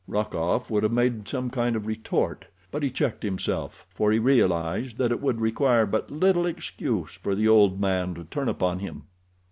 Rokoff would have made some kind of retort, but he checked himself, for he realized that it would require but little excuse for the old man to turn upon him.